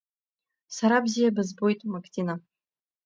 Сара бзиа бызбоит, Мактина…